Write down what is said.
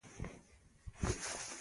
• په کارخانو کې سخت کار و.